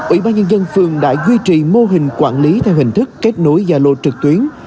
ủy ban nhân dân phường đã duy trì mô hình quản lý theo hình thức kết nối gia lô trực tuyến